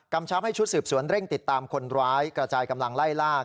ชับให้ชุดสืบสวนเร่งติดตามคนร้ายกระจายกำลังไล่ลาก